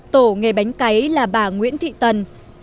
tổ nghề bánh cấy là bà nguyễn thị tần